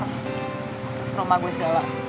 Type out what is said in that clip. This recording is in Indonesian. terus rumah gue segala